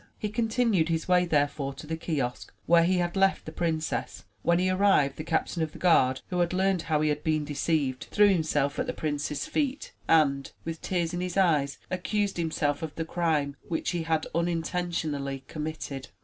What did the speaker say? He continued his way therefore to the kiosk where he had left the princess. When he arrived, the Captain of the Guard, who had learned how he had been deceived, threw himself at the prince's feet, 49 MY BOOK HOUSE and, with tears in his eyes, accused himself of the crime which he had unintentionally committed.